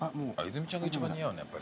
泉ちゃんが一番似合うねやっぱり。